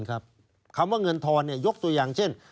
คำว่าเงินทอนยกตัวอย่างเช่น